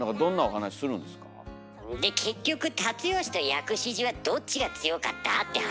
「で結局辰吉と薬師寺はどっちが強かった？」って話。